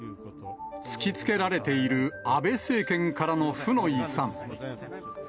突きつけられている安倍政権からの負の遺産。